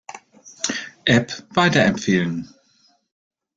App weiterempfehlen.